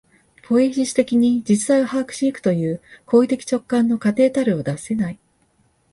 ポイエシス的に実在を把握し行くという行為的直観の過程たるを脱せない。